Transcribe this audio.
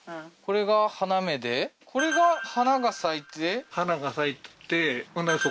これが花芽でこれが花が咲いて花が咲いてほな